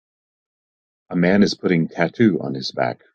A man is putting tattoo on his back.